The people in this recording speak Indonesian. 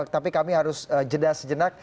tapi kami harus jeda sejenak